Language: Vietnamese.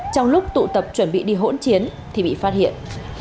trong lúc tụ tập chuẩn bị đi hỗn chiến thì bị phát hiện